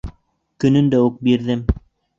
— Көнөндә үк бирҙем.